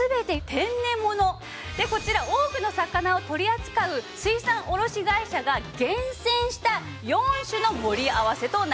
でこちら多くの魚を取り扱う水産卸会社が厳選した４種の盛り合わせとなっております。